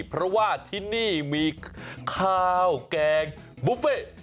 เพราะว่าที่นี่มีข้าวแกงบุฟเฟ่